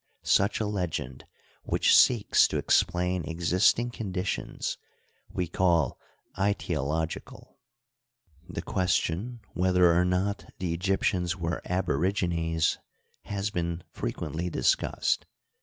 Such a legend which seeks to explain existing conditions we call aiteological. The question whether or not the Egyptians were abo rigines has been frequently discussed.